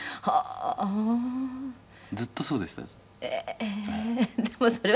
谷村：ずっとそうでした。